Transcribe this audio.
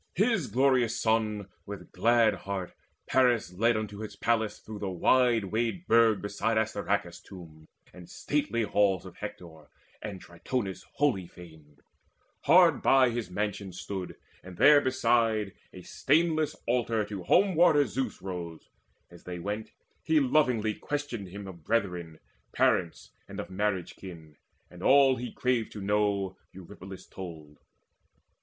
His glorious son with glad heart Paris led Unto his palace through the wide wayed burg Beside Assaracus' tomb and stately halls Of Hector, and Tritonis' holy fane. Hard by his mansion stood, and therebeside The stainless altar of Home warder Zeus Rose. As they went, he lovingly questioned him Of brethren, parents, and of marriage kin; And all he craved to know Eurypylus told.